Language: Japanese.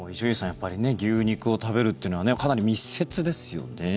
やっぱり牛肉を食べるというのはかなり密接ですよね。